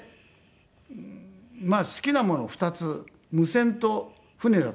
まあ好きなもの２つ無線と船だったんですよ。